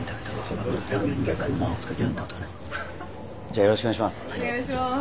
じゃよろしくお願いします。